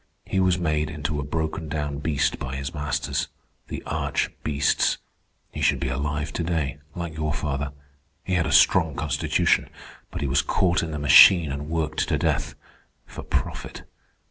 He was made into a broken down beast by his masters, the arch beasts. He should be alive to day, like your father. He had a strong constitution. But he was caught in the machine and worked to death—for profit.